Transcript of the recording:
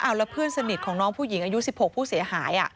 แล้วเพื่อนสนิทของน้องผู้หญิงอายุ๑๖ผู้เสียหาย